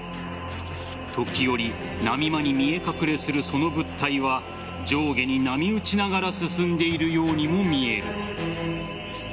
時折、波間に見え隠れするその物体は上下に波打ちながら進んでいるようにも見える。